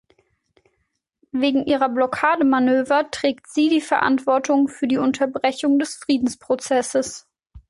Wegen ihrer Blockademanöver trägt sie die Verantwortung für die Unterbrechung des Friedensprozesses.